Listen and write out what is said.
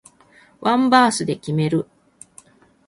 ワンバースで決める